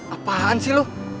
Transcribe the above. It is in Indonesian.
apaan sih lu